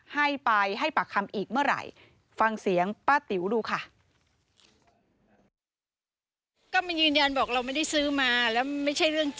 ไม่ไปให้ปากคำอีกเมื่อไหร่